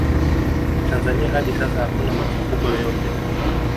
tanzania hadi sasa hakuna machafuko yoyote